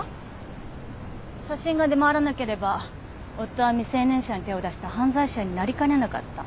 写真が出回らなければ夫は未成年者に手を出した犯罪者になりかねなかった。